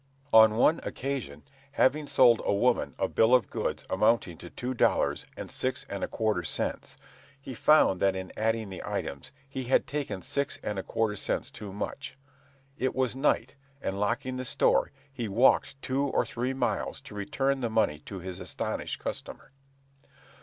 On one occasion, having sold a woman a bill of goods amounting to two dollars and six and a quarter cents, he found that in adding the items, he had taken six and a quarter cents too much. It was night, and locking the store, he walked two or three miles to return the money to his astonished customer.